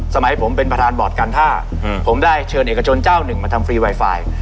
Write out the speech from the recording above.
สมัยผมเป็นประธานบอร์ดการท่าผมได้เชิญเอกชนเจ้าหนึ่งมาทำฟรีไวไฟ